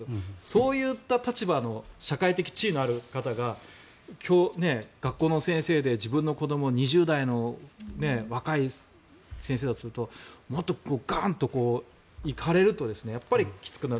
そういった立場の社会的地位にある方が学校の先生で、自分の子どもを２０代の若い先生だとするともっとガンと行かれるときつくなる。